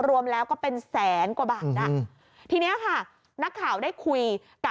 รวมแล้วก็เป็นแสนกว่าบาทนะ